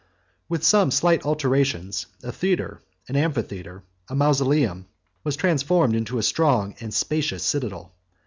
40 With some slight alterations, a theatre, an amphitheatre, a mausoleum, was transformed into a strong and spacious citadel.